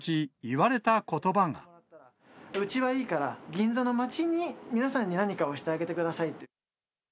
うちはいいから、銀座の街に、皆さんに何かをしてあげてくださいと。